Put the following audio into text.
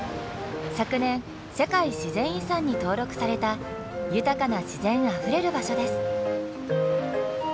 昨年世界自然遺産に登録された豊かな自然あふれる場所です。